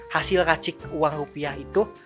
hasil racik uang rupiah itu